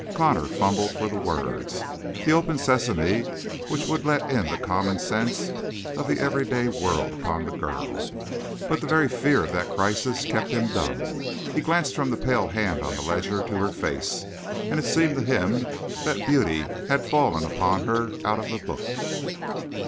Connor fumbled for words, the Open Sesame which would let in the common sense of the everyday world upon the girl. But the very fear of that crisis kept him dumb. He glanced from the pale hand on the ledger to her face, and it seemed to him that beauty had fallen upon her out of the book.